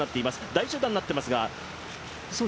大集団になっていますが。